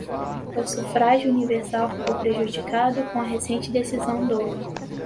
o sufrágio universal ficou prejudicado com a recente decisão do